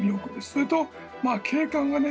それと景観がね